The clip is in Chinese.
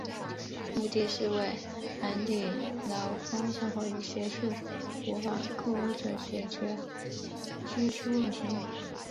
目的是为安定劳工生活与协助无法购屋者解决居住问题。